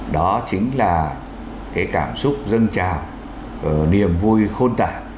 đó chính là cái cảm xúc dân trà niềm vui khôn tả